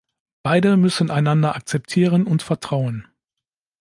Beide müssen einander akzeptieren und vertrauen.